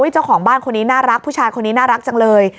เจ้าของบ้านคนนี้น่ารักผู้ชายคนนี้น่ารักจังเลย